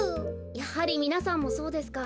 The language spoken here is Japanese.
やはりみなさんもそうですか。